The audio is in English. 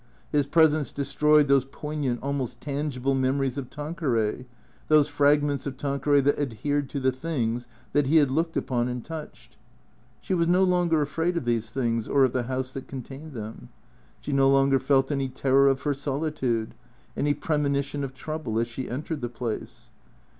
His presence destroyed those poignant, almost tangible memories of Tanque ray, those fragments of Tanqueray that adhered to the things that he had looked upon and touched. She was no longer afraid of these things or of the house that contained them. She no longer felt any terror of her solitude, any premonition of trouble as she entered the place.